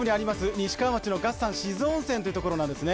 西川町の月山志津温泉というところです。